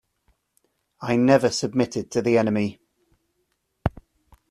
I never submitted to the enemy.